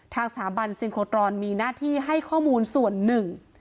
ทางสถาบันซิงโครตรอนมีหน้าที่ให้ข้อมูลส่วนหนึ่ง